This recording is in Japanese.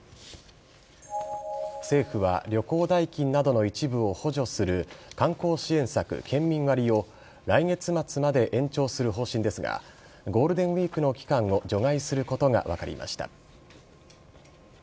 政府は旅行代金などの一部を補助する観光支援策、県民割を来月末まで延長する方針ですがゴールデンウイークの期間を除外することが分かりました。